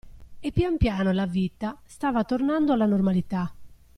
E pian piano la vita stava tornando alla normalità.